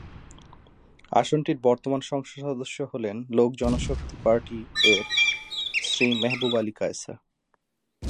আসনটির বর্তমান সংসদ সদস্য হলেন লোক জনশক্তি পার্টি-এর শ্রী মেহবুব আলী কায়সার।